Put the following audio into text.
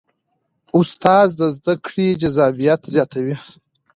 استاد د زده کړو جذابیت زیاتوي.